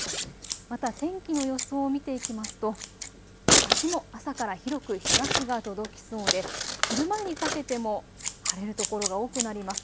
また天気の予想を見ていきますとあすも朝から広く日ざしが届きそうで昼前にかけても晴れる所が多くなります。